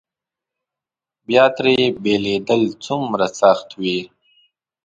بیا ترې بېلېدل څومره سخت وي.